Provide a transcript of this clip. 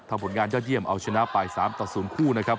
ผลงานยอดเยี่ยมเอาชนะไป๓ต่อ๐คู่นะครับ